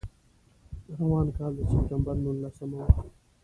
د روان کال د سپټمبر نولسمه وه.